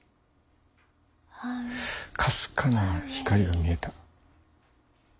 かすかな光が見えた。